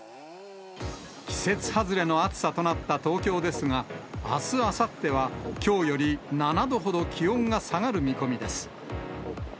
季節外れの暑さとなった東京ですが、あす、あさってはきょうより７度ほど気温が下がる見込みです。